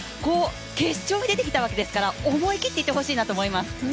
決勝に出てきたわけですから、思い切っていってほしいなと思います。